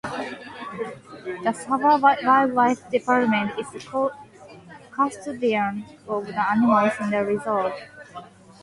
The Sabah Wildlife Department is the custodian of the animals in the reserve.